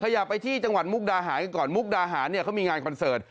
อยากไปที่จังหวัดมุกดาหารกันก่อนมุกดาหารเนี่ยเขามีงานคอนเสิร์ต